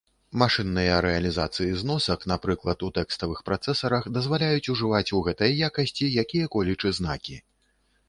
Машынныя рэалізацыі зносак, напрыклад, у тэкставых працэсарах, дазваляюць ужываць у гэтай якасці якія-колечы знакі.